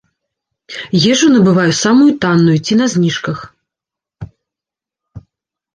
Ежу набываю самую танную ці на зніжках.